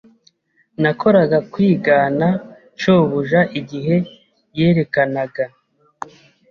Nakoraga kwigana shobuja igihe yerekanaga.